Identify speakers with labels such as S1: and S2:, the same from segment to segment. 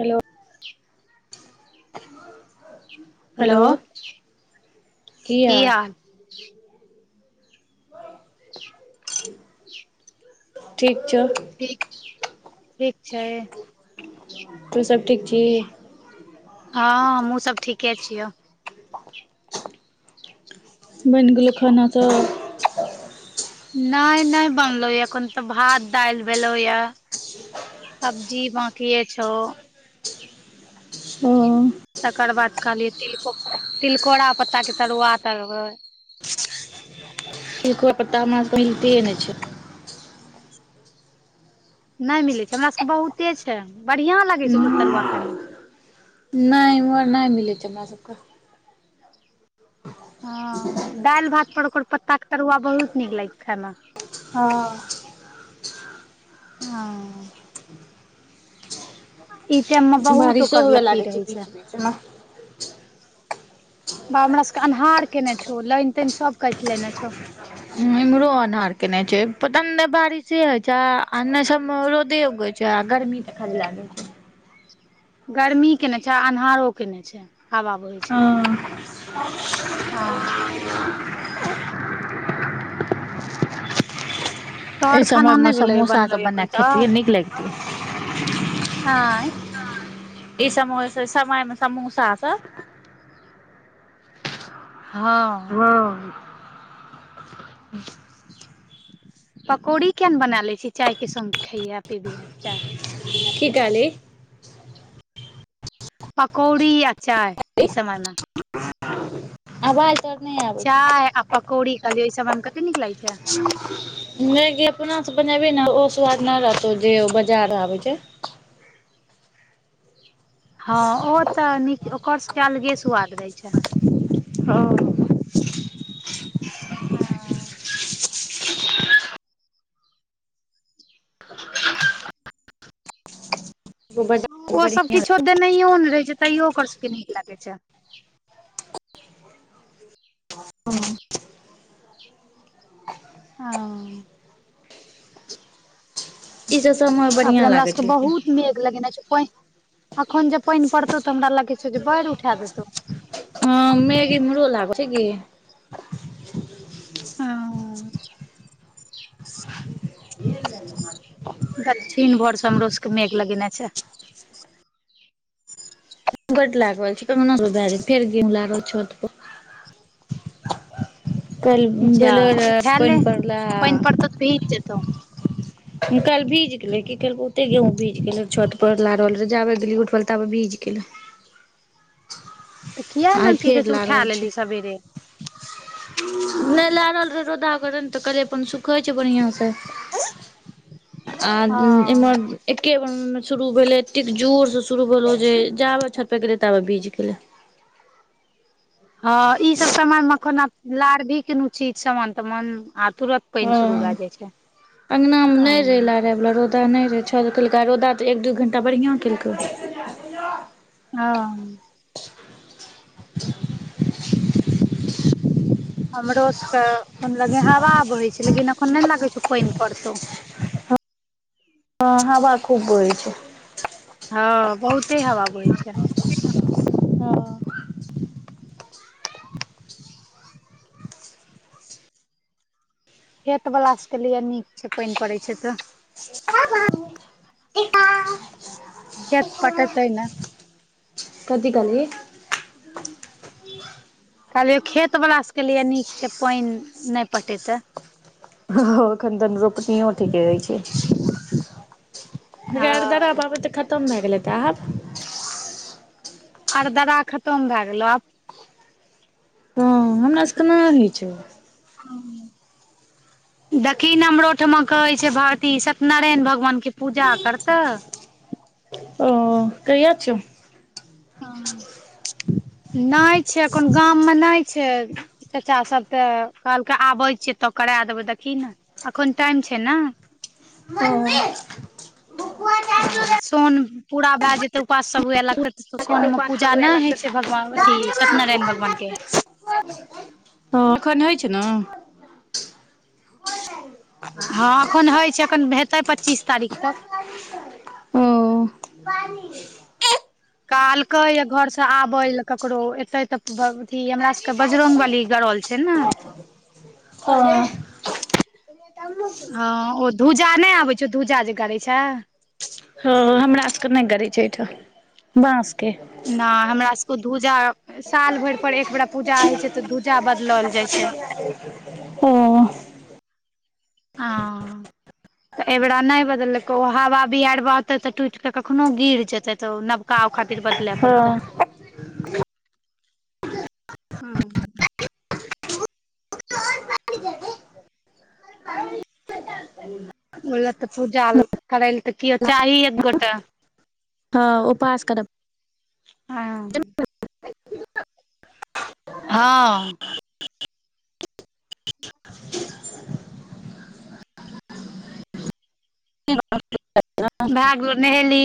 S1: Hello
S2: जी
S1: hello की हाल ठीक छै।
S2: ठीक ठीक छैय।
S1: तू सब ठीक छी
S2: ह हम हुँ सब ठीके छियो
S1: बइन गेलो खाना सब
S2: नै नहि बनलो या एखन त भात-दाइल भेलो या सब्जी बाकिये छो
S1: ओ
S2: तकर बाद कहलिये तिलको तिलकोरा पत्ता के तरुआ तरबै
S1: तिलकोर पत्ता हमरा सब के मिलतहै नहि छै।
S2: नै मिलेत छे हमरा सब के बहुते छे बढ़िआँ लागै छे ओकरा तरुआ खाइ में
S1: ने ईमहर ने मिलै छै हमरा सब कऽ
S2: हा दाइल-भात पर ओकर पत्ता के तरुआ बहुत नीक लाग खै मऽ
S1: ह
S2: ह ई टाइम मे बहुत
S1: बारिशो
S2: ओकर
S1: हुए
S2: लत्ती
S1: लागै
S2: रहै
S1: बीच
S2: छै।
S1: बीच मे
S2: बा हमरा सब के अन्हार केने छौ लाइन-ताइन सब काइट लेने छौ
S1: इम्हरो अन्हार केने छै पता ने बारिशे होय छै आ ने सब मे रोदे उगे छै आ गर्मी तखन लैगै छै।
S2: गर्मी केने छै अन्हारो केने छै हबा बहय छै।
S1: हँ
S2: ह
S1: [unintelligible]
S2: तऽ
S1: एहि
S2: आर
S1: समय
S2: खाना
S1: मे
S2: ने भेले
S1: समोसा सब
S2: बनलय
S1: बना
S2: एखन
S1: के खेतियै
S2: तक
S1: नीक लगितियै
S2: आय
S1: ई समोय समय मे समोसा सब
S2: ह
S1: [unintelligible] [inaudible]
S2: पकौड़ी किये ने बना ले छी चाय के संग खैयहै पिबीहे चाय
S1: की कहल ही।
S2: पकौड़ी आ चाय ई समय में
S1: आवाज। तोहर नई आबै छौ।
S2: चाय आ पकौड़ी कहलियौ ई समय मे कते नीक लागै छै
S1: नहि गे अपना सँ बनेबहि न ओ स्वाद नहि रहतौ जे बजार आबै छै।
S2: हँ ओ तऽ नीक ओकर स के अलगे सुआद रहै छै।
S1: हँ
S2: हँ।
S1: बाजार
S2: ओ सब
S1: बढ़िया
S2: किछो देनैइयो नै रहे छै तैयो ओकर सबके नीक लगै छै। हँ।
S1: ई सब समय
S2: आ परे
S1: बढ़िया
S2: हमरा
S1: लागे
S2: सबके
S1: छै लेकिन
S2: बहुत मेघ लगेने छै प‌इन। अखन जे पइन पड़तौ तऽ हमरा लागै छौ जे बाढ़ि उठा देतौ।
S1: हँ मेघ इमरो लागल छै गे। [inaudible]
S2: दक्षिण भर सँ हमरो सबके मेघ लगेने छै।
S1: बड लागल छै भए फेर गेहुं लाबले छत पर। कल
S2: जा
S1: बेलर
S2: उठा ले
S1: पानि पड़ला
S2: प‌इन पड़तौ तऽ भीज जेतौ।
S1: हुँ काइल भीज गेलै की करबै ओते गेहूँ भीज गेलै छत पर लारऽ ले रहे जाबे गेली उठब ले ताबे भीज गेलै।
S2: तऽ किया
S1: आइ
S2: ने की कहै
S1: फेर
S2: छै उठै
S1: लारल
S2: लेली सवेरे।
S1: नहि लैरल रह रोदागर ने तऽ कहलिय अपन सुख। सुखै छै बढ़िआं से आ
S2: ओ
S1: इमहर। एके बेर मे शुरू भेलै एत्तेक जोर सँ शुरू भेलौ जे जाबैत छत पर गेलिय ताबे भिज गेलै।
S2: हँ ई सब समान म कोना लार भी केनु चीज सामान तमान आ तुरत। पानि शुरू
S1: हं
S2: भए जाइ छै
S1: अंगना मे नहि रहै ला
S2: हँ
S1: रऽ बला रौद। तऽ नहि रहे छत पर केलैक आ रौदा तऽ एक दू घंटा बढ़ियां केलकै। [unintelligible]
S2: हं।
S1: [unintelligible]
S2: हमरो सबके खन लगे हवा बहै छै लेकिन अखन नै लागै छौ प‌इन पड़तौ।
S1: हं हवा खूब बहै छै।
S2: हँ बहुते हवा बहै छै। खेत बला सबके लिए नीक छै प‌इन पड़ै छै तऽ।
S1: [unintelligible] एकटा।
S2: खेत पटतै ने।
S1: कथी कहली।
S2: [inaudible] कहलियौ खेत बला सबके लिए नीक छै प‌इन नहि पटेतै।
S1: ह ह अखन धन रोपनीयो ठिके अछि। बुझै अरदरा
S2: हँ
S1: पाबन तऽ खतम भए गेल हेतै आब।
S2: अरदरा खतम भए गेलो आब।
S1: हँ हमरा सब के नै होइ छै।
S2: हं।
S1: [inaudible]
S2: देखि न हमरो ओइठमा कहै छै भारती सत्यनारायण भगवान के पूजा करतऽ।
S1: ओ कहिया छै। [unintelligible]
S2: नहि छै अखन गाममे नहि छै। चचा सब तऽ कहलकै आबै छियै तऽ करा देबै देखि ने। अखन टाइम छैय न।
S1: मम्मी हं।
S2: हँ सौन पूरा भए जेतै उपास सभ हुए लगतै। तऽ सोन
S1: पुजा
S2: मे
S1: पाठ
S2: पूजा
S1: सब हुए
S2: नहि होइ
S1: लगतै
S2: छै
S1: तऽ
S2: भगवान अथी
S1: दादी
S2: सत्यनारायण भगवान
S1: माँ
S2: के
S1: तऽ अखन होइ छैय नऽ।
S2: हँ अखन होइ छैय अखन हेतै पच्चीस तारीख तक।
S1: [inaudible] हूँ पानी।
S2: कहलके ये घर से आबे ल ककरो एते ते अथी हमरा सब के बजरंग बली गरल छैय। छैय ने।
S1: अ
S2: हा ओ छुजा ने अबे छैय धुजा जे गरे छैय।
S1: हा हम हमरा सब के नहि गड़े छैय एहिठाम। बाँस के
S2: ने हमरा सबक धूजा साल भरि पर एकबरा
S1: ओ
S2: हँ
S1: [inaudible]
S2: तऽ एहिबेरा ने बदलको हवा बिहारि बहतो तऽ टूट कऽ कखनो गिर जेते तऽ ओ नब काम खातिर बदले
S1: हँ
S2: पड़ते। बोलत तऽ पूजा करैल तऽ कियो चाही एक गोटे।
S1: हाँ उपास करब।
S2: हाँ। हाँ। [inaudible]
S1: [inaudible]
S2: भाय गेलो नहेली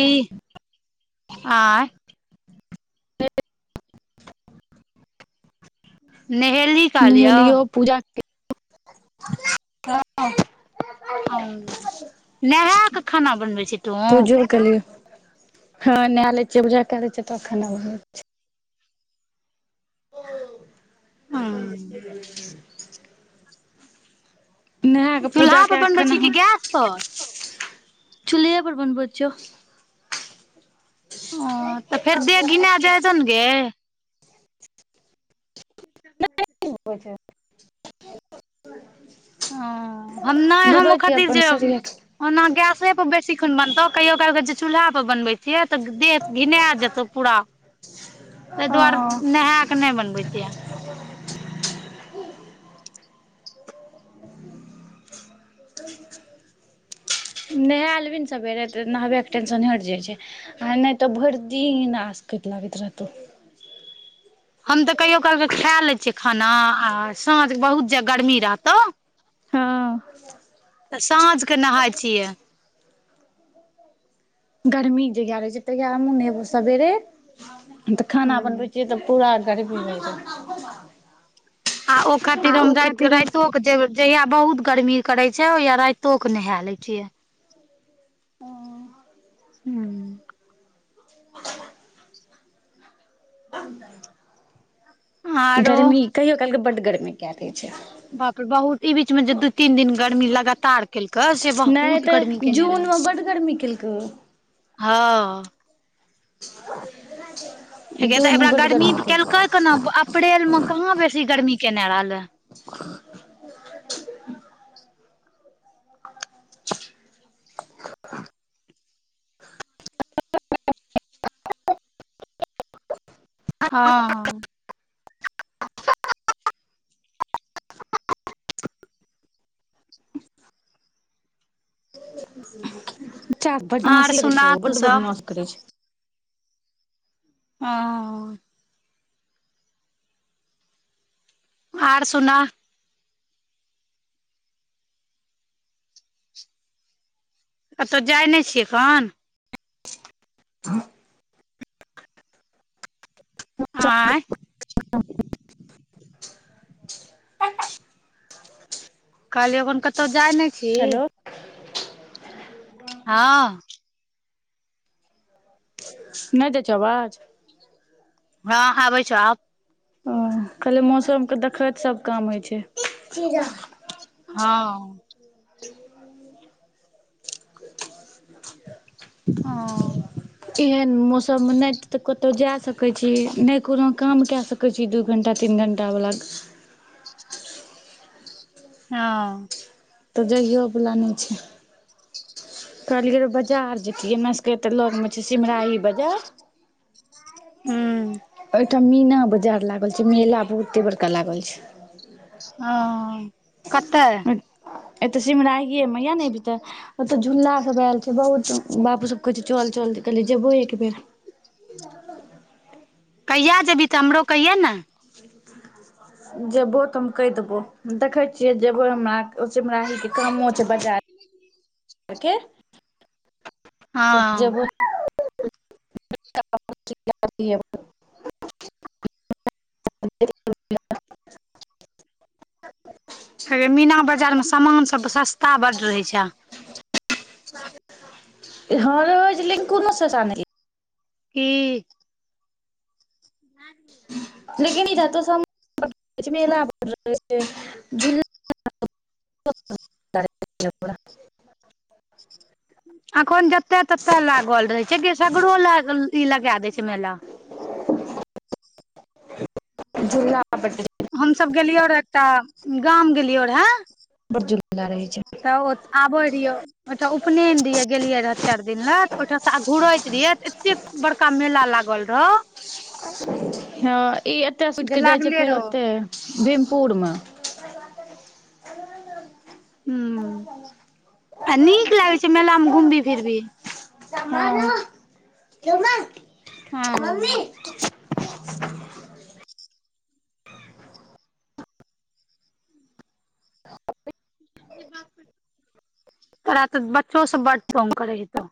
S2: आ नहेली काल यौ
S1: नहेलियो पूजा [unintelligible]
S2: नहायके खाना बनबै छी तूहों।
S1: कहलिय हाँ नहा ले छिये पूजा कए ले छिये तो खाना बनबै छिये। [inaudible] नहाय के
S2: चूल्हा
S1: पूजा
S2: पर
S1: कए के
S2: बनबै
S1: खाना
S2: छी कि
S1: हन
S2: गैस पर
S1: चुलहे पर बनबे छियो।
S2: ओ तऽ फेर देह घिना जाइ छन गे।
S1: [inaudible]
S2: ह हम नहि हम
S1: बनबै
S2: ओ
S1: छियै
S2: खातिर
S1: अपन
S2: जे
S1: शरीर
S2: ओना गेसे पर बेसी खन बनतो कहियो काल्हि के कहे छिये चूल्हा पर बनबे किये तऽ देह घिना जेतो पूरा ता दुआरे नहाय के नहि बनबे छिये।
S1: नहाए लेबीह ने सभेरे तऽ नहाय के टेंशने हेट जाइ छैय। आ नहि तऽ भरि दीन आसकेत लागेत रहतो।
S2: हम तऽ कहियो काल कऽ खा ले छिये खाना आ साँझ बहुत जे गर्मी रहतो
S1: हाँ।
S2: त साँझ के नहाय छिये
S1: गर्मी जहिया रहै छै ताहिया हमहुँ नेहबो सबेरे तऽ खाना
S2: हूं
S1: बनबै छियै तऽ पूरा। खरिपिब होगोबा
S2: आ ओ खातिर हम रात
S1: हम
S2: राइतो जहिया बहुत गर्मी करे छ ओहिया राइतो के नहा ले छिये हा
S1: हा।
S2: आरो
S1: गर्मी कहियो कालके बड्ड गर्मी के दे छे
S2: बाप रे बहुत ई बीच मे जे दू तीन दिन गर्मी लगातार केलका से
S1: नहि
S2: बहुत
S1: तऽ
S2: गर्मी केने रहे
S1: जूनमे बड्ड गर्मी केलकै
S2: हा
S1: छे
S2: हेगे त एबरा गर्मी केलके केना अप्रेल मे कहाँ बेसी गर्मी केने रहले हा हा
S1: बच्चा
S2: आर
S1: बदमासी जे
S2: सुना
S1: देखियो बड़
S2: तू सब
S1: बदमासी करे छै
S2: हाँ आर सुना कतो जाइ ने छिये एखन आय कहलियों अखन कतो जाय ने छी
S1: हेलो
S2: हा
S1: नाय जाय छो आवाज
S2: हा आबे छो आब
S1: हाँ कहलिये मौसम के देखेत सब काम होइ छै
S2: हा
S1: थीमा
S2: ओ
S1: चैया एहेन मौसम मे ने ते कतो जाय सके छी ने कोनो काम के सके कहे छी दू घंटा तीन घंटा बला
S2: हा
S1: कतो जाइयो वाला नेह छे कहलिये बाजार जतिये हमरा सभ के आतेक लग मे छे सिमराही बाजार
S2: ह्म
S1: आठम मीना बाजार लागल छे मेला बहुते बड़का लागल छे
S2: हाँ कता या
S1: एत सिमराहिये मे या ने येभी त ओता झूला सभ आयल छे बहुत बापू सब कहे छे चल चल कहले जेबो एक बेेर सब
S2: कहिया जेबीह त हमरो कहिये ने
S1: का जेबो त हम केह देबो देखे छिये जेबो हमरा सिमराही के कामो छे बाजार आ के
S2: हँ
S1: जेबो त हमरा
S2: हेगे मीना बाजार मे सामान सब सस्ता बड राहे छे या
S1: हा रोजलिंग कोनो सजा ने
S2: की? [unintelligible]
S1: लेकिन इ जत स हम [unintelligible] [unintelligible]
S2: अखोन जत तते लागल रहे छे गै सगरो लाग- ई लगा दैय छै मेला।
S1: झूला [unintelligible]
S2: हमसब गेलिये रैऽ एकटा गाम गेलियोरैऽ,
S1: बड्ड जुल्ला रहै छे।
S2: त ओ आबैऽरहियो ओहिठम उपनयन दियै गऽ गेलिये रह चाइर दिन लय त ओयठां स आ- घुरय रिये त एत्ते बड़का मेला लागल रौह,
S1: ह ई एतय से उठ
S2: जे
S1: के जाइ छै
S2: लागले
S1: फेर
S2: रहो
S1: ओते भीमपुर मे
S2: हूं, आ नीक लागे छै मेला मे घुमबी फिर भी। हँ
S1: [unintelligible]
S2: तोरा त बच्चो सब बड तंग करै हेतो।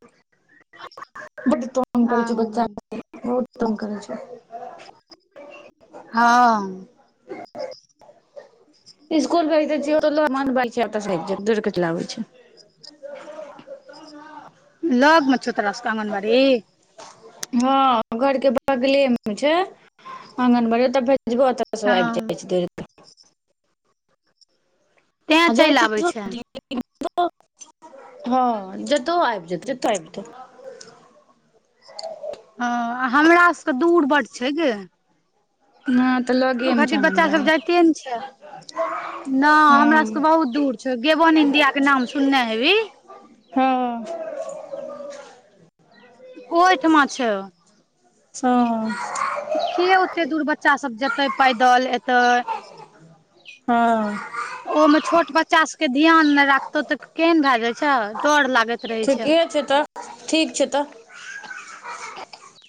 S2: [unintelligible]
S1: बड्ड तंग करै छो बच्चा [unintelligible] बहुत तंग करै छौ।
S2: हं-
S1: इसकुल भेज दय छीये ओत स- [unintelligible] दौड क चल आबय छय
S2: लग में छोउ तोरा सब के आंगनबाड़ी?
S1: ह घर के बगले मे छय, आंगनवाड़ी ओत भेज जे घर तक ओ सब आइब
S2: हँ
S1: जाइ छै दौडेत -
S2: तें
S1: आ जाइ
S2: चलि
S1: छै
S2: आबै
S1: [unintelligible] [unintelligible] हं जेतउ आइब जेतोउ जेतउ आइब जेतउ।
S2: हँ आ हमरा सबके दूर बड्ड छय गे।
S1: हं त लग-
S2: ओखातिर बच्चा सब जाइते नय छय, ना हमरा सबके
S1: हँ
S2: बहुत दूर छौ, गेवन इंडिया के नाम सुनने हेभी।
S1: हँ -
S2: ओयठमा छय।
S1: हँ अ-
S2: के ओते दूर बच्चा सब जेतय, पैदल एतय
S1: हँ-
S2: ओहो में छोट बच्चा सब के ध्यान नय राखतौ त- केहन भैऽ जाय छै डर लाग
S1: ठीके छय त, ठीक छय त